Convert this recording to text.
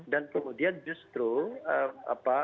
dan kemudian justru apa